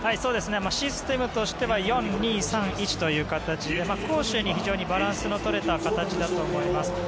システムとしては４−２−３−１という形で攻守に非常にバランスの取れた形だと思います。